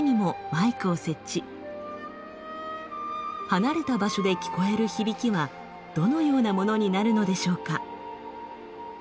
離れた場所で聞こえる響きはどのようなものになるのでしょうか。